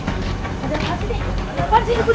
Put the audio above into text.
ada apaan sih di sini